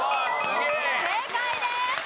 正解です。